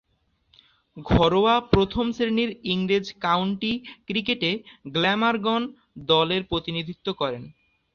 ঘরোয়া প্রথম-শ্রেণীর ইংরেজ কাউন্টি ক্রিকেটে গ্ল্যামারগন দলের প্রতিনিধিত্ব করেন।